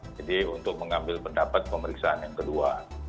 jadi untuk mengambil pendapat pemeriksaan yang kedua